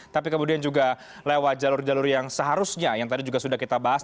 tapi kemudian juga lewat jalur jalur yang seharusnya yang tadi juga sudah kita bahas